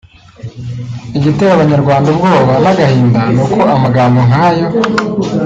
Igitera abanyarwanda ubwoba n’agahinda nuko amagambo nkayo